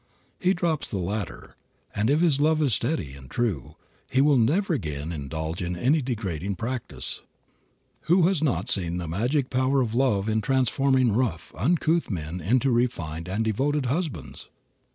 He drops the latter, and if his love is steady and true he will never again indulge in any degrading practice. Who has not seen the magic power of love in transforming rough, uncouth men into refined and devoted husbands?